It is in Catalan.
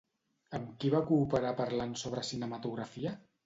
Amb qui va cooperar parlant sobre cinematografia?